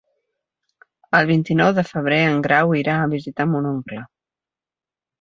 El vint-i-nou de febrer en Grau irà a visitar mon oncle.